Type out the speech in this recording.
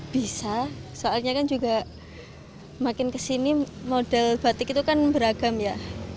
bisa soalnya kan juga makin kesini model batik itu kan beragam ya